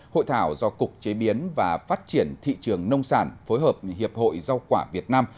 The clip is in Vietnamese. hội thảo do cục chế biến và phát triển thị trường nông sản phối hợp hiệp hội rau quả việt nam